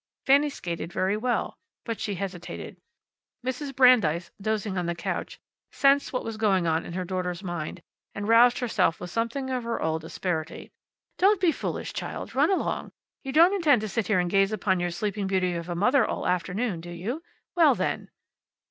Fanny skated very well. But she hesitated. Mrs. Brandeis, dozing on the couch, sensed what was going on in her daughter's mind, and roused herself with something of her old asperity. "Don't be foolish, child. Run along! You don't intend to sit here and gaze upon your sleeping beauty of a mother all afternoon, do you? Well, then!"